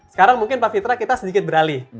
sekarang mungkin pak fitra kita sedikit beralih